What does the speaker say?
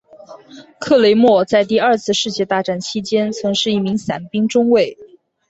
克雷默在第二次世界大战期间曾是一名伞兵中尉。